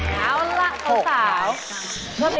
แล้วล่ะสาว